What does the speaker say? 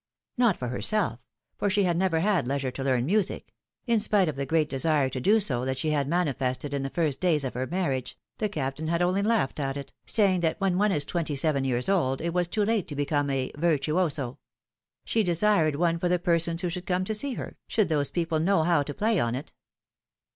Not for herself, for she had never had leisure to learn music; in spite of the great desire to do so that she had manifested in the first days of her marriage, the Captain had only laughed at it, saying that when one was twenty seven years old it was too late to become a virtuoso; she desired one for the persons PHILOMiiNE^S MARRIAGES. 45 wlio should come to see her, should those people know how to play on it.